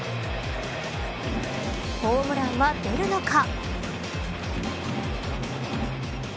ホームランは出るのか。